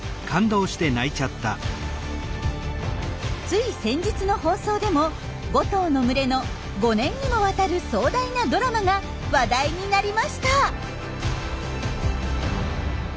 つい先日の放送でも５頭の群れの５年にもわたる壮大なドラマが話題になりました。